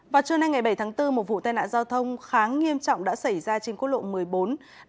vào trưa nay ngày bảy tháng bốn một vụ tai nạn giao thông khá nghiêm trọng đã xảy ra trên quốc lộ một mươi bốn